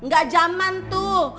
gak jaman tuh